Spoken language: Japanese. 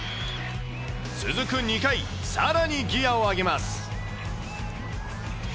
続く２回、さらにギアを上げます。